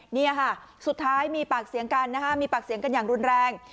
นี่ค่ะสุดท้ายมีปากเสียงกันนะคะมีปากเสียงกันอย่างรุนแรง